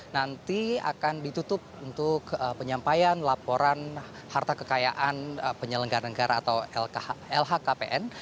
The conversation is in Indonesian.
nanti akan ditutup untuk penyampaian laporan harta kekayaan penyelenggara negara atau lhkpn